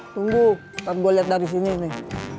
tunggu nanti gue lihat dari sini nih